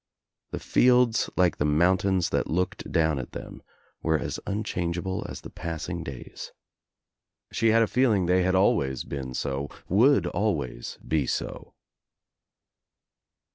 The fields like the mountains that looked down at them were as unchangeable as the passing days. She had a feeling they had always been so, would always be so.